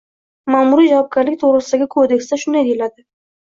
Ma’muriy javobgarlik to‘g‘risidagi kodeksida shunday deyiladi: